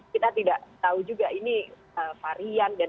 kita tidak tahu juga ini varian